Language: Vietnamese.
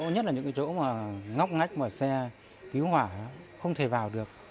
nhất là những chỗ ngóc ngách mà xe cứu hỏa không thể vào được